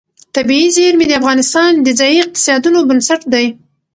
طبیعي زیرمې د افغانستان د ځایي اقتصادونو بنسټ دی.